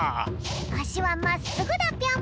あしはまっすぐだぴょん。